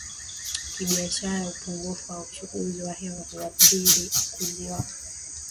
kibiashara upungufu wa uchafuzi wa hewa hauathiri ukuzi wa